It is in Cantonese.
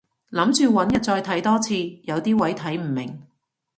諗住搵日再睇多次，有啲位睇唔明